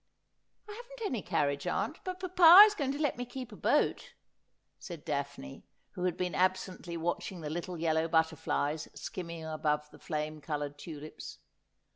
' I haven't any carriage, aunt, but papa is going to let me keep a boat,' said Daphne, who had been absently watching the little yellow butterflies skimming above the flame coloured tulips.